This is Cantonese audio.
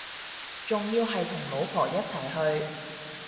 仲要係同老婆一齊去